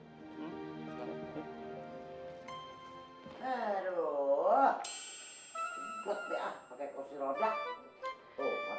sempet deh ah pakai kursi roda